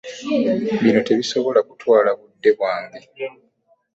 Bino tebisobola kutwala budde bwange.